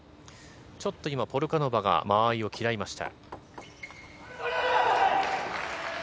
ちょっと今、ポルカノバが間合いを嫌いました。